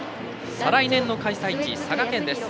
再来年の開催地佐賀県です。